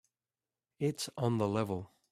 It's on the level.